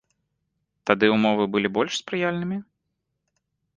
Тады ўмовы былі больш спрыяльнымі?